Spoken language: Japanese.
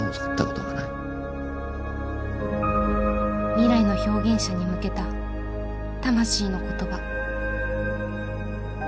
未来の表現者に向けた魂の言葉。